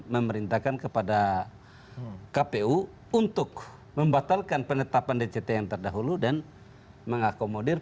memerintahkan kepada kpu untuk membatalkan penetapan dct yang terdahulu dan mengakomodir